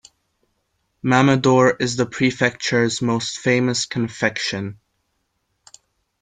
Mamador is the prefecture's most famous confection.